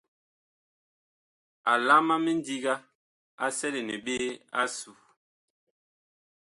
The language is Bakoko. Alaam a mindiga a selene ɓe asu.